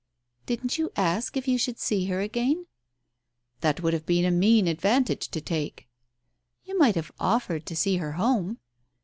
"Didn't you ask if you should see her again ?" "That would have been a mean advantage to take." "You might have offered to see her home."